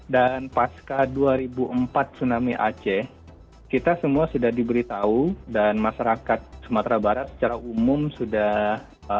dan pasca dua ribu empat tsunami aceh kita semua sudah diberitahu dan masyarakat sumatera barat secara umum sudah ee